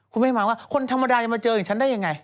คุณแม่มองว่าคนธรรมดาจะมาเจออย่างฉันได้ยังไง